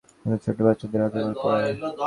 ওদের ছোট বাচ্চাদের রাতের বেলা পড়াই।